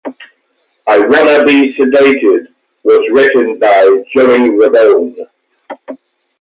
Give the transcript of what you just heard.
"I Wanna Be Sedated" was written by Joey Ramone.